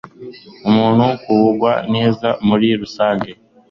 umuntu kugubwa neza muri rusange